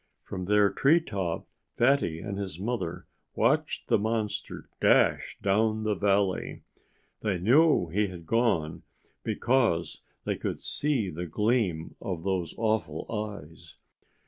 From their tree top Fatty and his mother watched the monster dash down the valley. They knew he had gone, because they could see the gleam of those awful eyes.